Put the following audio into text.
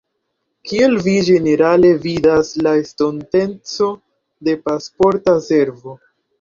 Kiel vi ĝenerale vidas la estontecon de Pasporta Servo?